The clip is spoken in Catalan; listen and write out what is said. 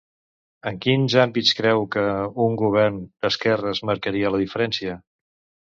En quins àmbits creu que un govern d'esquerres marcaria la diferència?